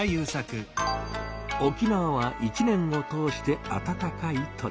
沖縄は一年を通してあたたかい土地。